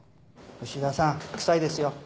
牛田さん臭いですよ